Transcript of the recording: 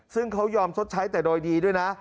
ซึ่งเขายอมชดใช้แต่โดยดีด้วยนะ